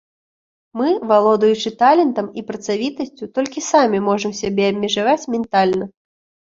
Мы, валодаючы талентам і працавітасцю, толькі самі можам сябе абмежаваць ментальна.